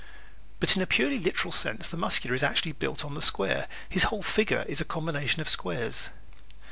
But in a purely literal sense the Muscular is actually built on the square. His whole figure is a combination of squares.